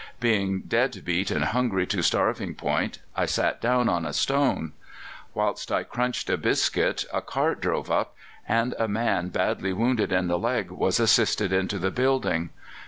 Being dead beat and hungry to starving point, I sat down on a stone. Whilst I crunched a biscuit a cart drove up, and a man badly wounded in the leg was assisted into the building.